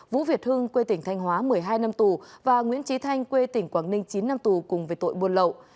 vũ việt hưng quê tỉnh thanh hóa một mươi hai năm tù và nguyễn trí thanh quê tỉnh quảng ninh chín năm tù cùng với tội buôn lậu